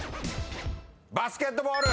バスケットボール。